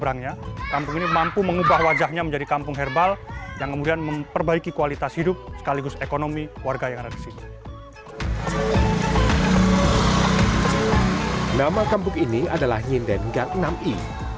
nama kampung ini adalah hinden gang enam i